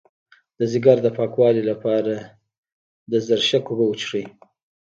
د ځیګر د پاکوالي لپاره د زرشک اوبه وڅښئ